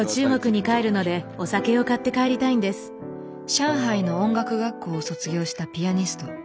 上海の音楽学校を卒業したピアニスト。